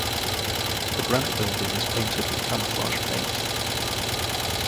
The granite building is painted with camouflage paint.